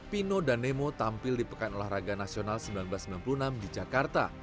pino dan nemo tampil di pekan olahraga nasional seribu sembilan ratus sembilan puluh enam di jakarta